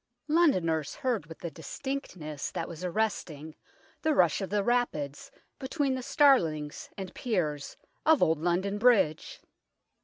Londoners heard with a distinctness that was arresting the rush of the rapids between the starlings and piers of Old London Bridge.